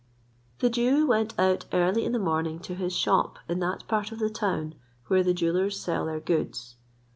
The Jew went out early in the morning to his shop in that part of the town where the jewellers sell their goods.